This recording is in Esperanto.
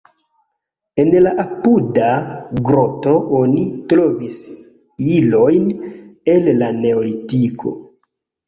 En la apuda groto oni trovis ilojn el la neolitiko.